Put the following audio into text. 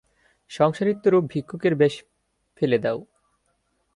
সংসারিত্ব-রূপ ভিক্ষুকের বেশ ফেলে দাও।